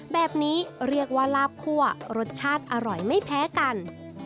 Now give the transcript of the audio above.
แบบนี้เรียกว่าลาบคั่วรสชาติอร่อยไม่แพ้กัน